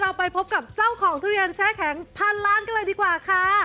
ไปพบกับเจ้าของทุเรียนแช่แข็งพันล้านกันเลยดีกว่าค่ะ